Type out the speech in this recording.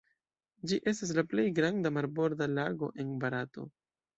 Ĝi estas la plej granda marborda lago en Barato.